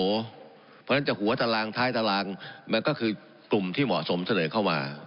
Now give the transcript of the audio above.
เพราะฉะนั้นจะหัวตารางท้ายตารางมันก็คือกลุ่มที่เหมาะสมเสนอเข้ามา